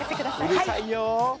うるさいよ